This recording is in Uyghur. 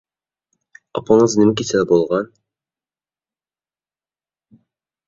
ئاپىڭىز نېمە كېسەل بولغان؟